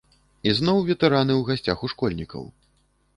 І зноў ветэраны ў гасцях у школьнікаў.